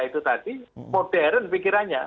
itu tadi modern pikirannya